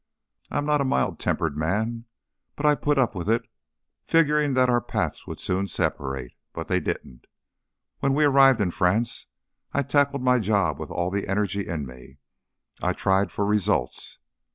I'm not a mild tempered man, but I put up with it, figuring that our paths would soon separate. But they didn't. When we arrived in France I tackled my job with all the energy in me; I tried for results.